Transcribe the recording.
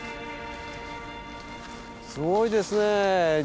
すごいですね